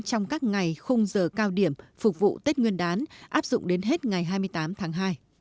trong các ngày khung giờ cao điểm phục vụ tết nguyên đán áp dụng đến hết ngày hai mươi tám tháng hai